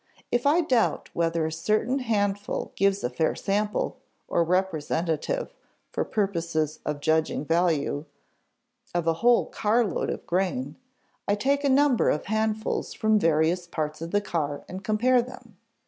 If I doubt whether a certain handful gives a fair sample, or representative, for purposes of judging value, of a whole carload of grain, I take a number of handfuls from various parts of the car and compare them.